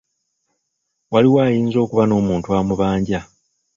Waliwo ayinza okuba n'omuntu amubanja.